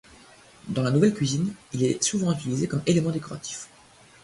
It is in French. Dans la nouvelle cuisine, il est souvent utilisé comme élément décoratif.